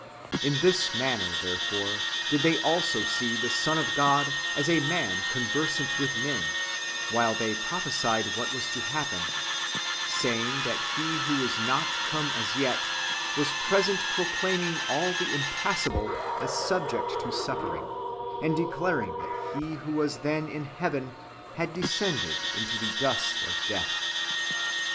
In this manner, therefore, did they also see the Son of God as a man conversant with men, while they prophesied what was to happen, saying that He who was not come as yet was present ; proclaiming also the impassible as subject to suffering, and declaring that He who was then in heaven had descended into the dust of death.